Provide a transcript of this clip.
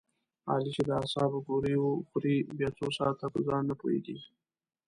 علي چې د اعصابو ګولۍ و خوري بیا څو ساعته په ځان نه پوهېږي.